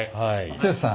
剛さん。